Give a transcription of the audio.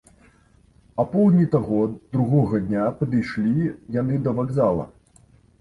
Апоўдні таго, другога, дня падышлі яны да вакзала.